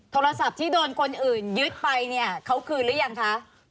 โทรศัพท์ที่โดนคนอื่นยึดไปเนี่ยเขาคืนหรือยังคะ